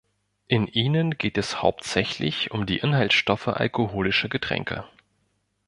In ihnen geht es hauptsächlich um die Inhaltsstoffe alkoholischer Getränke.